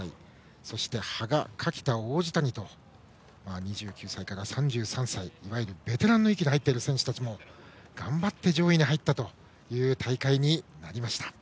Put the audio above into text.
そして羽賀、垣田、王子谷と２９歳から３３歳いわゆるベテランの域に入っている選手たちも頑張って、上位に入ったという大会になりました。